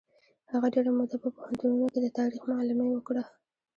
هغه ډېره موده په پوهنتونونو کې د تاریخ معلمي وکړه.